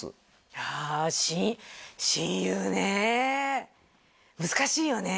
いや親友ねえ難しいよね